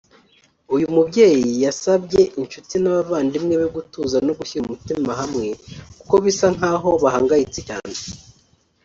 uyu mubyeyi yasabye inshuti n’abavandimwe be gutuza no gushyira umutima hamwe kuko bisa nk’aho bahangayitse cyane